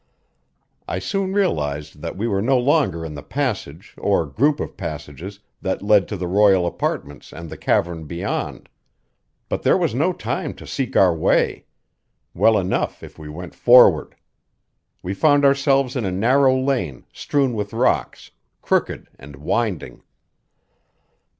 I soon realized that we were no longer in the passage or group of passages that led to the royal apartments and the cavern beyond. But there was no time to seek our way; well enough if we went forward. We found ourselves in a narrow lane, strewn with rocks, crooked and winding.